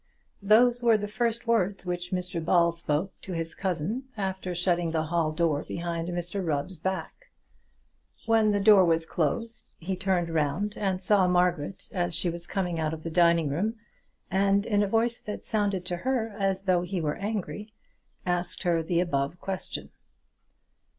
Those were the first words which Mr Ball spoke to his cousin after shutting the hall door behind Mr Rubb's back. When the door was closed he turned round and saw Margaret as she was coming out of the dining room, and in a voice that sounded to her as though he were angry, asked her the above question.